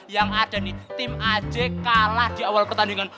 yang ada di tim aj kalah di awal pertandingan